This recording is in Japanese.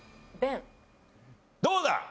どうだ？